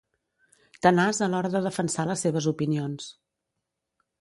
Tenaç a l'hora de defensar les seves opinions.